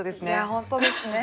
本当ですね。